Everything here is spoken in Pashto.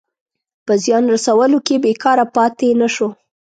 په زیان رسولو کې بېکاره پاته نه شو.